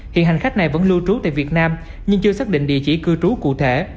hiện hành khách này vẫn lưu trú tại việt nam nhưng chưa xác định địa chỉ cư trú cụ thể